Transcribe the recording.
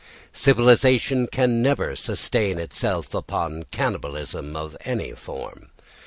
Civilisation can never sustain itself upon cannibalism of any form.